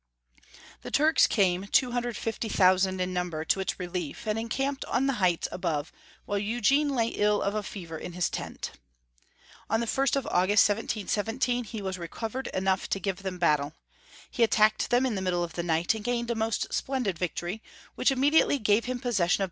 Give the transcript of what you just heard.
The Turks came, 250,000 in* num ber, to its relief, and encamped on the heights above, while Eugene lay ill of a fever in his tent. On the 1st of August, 1717, he was recovered enough to give them battle. He attacked them in the middle of the night, and gained a most splendid victory, which immediately gave him possession of Karl VI.